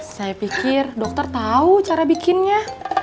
saya pikir dokter tahu cara bikinnya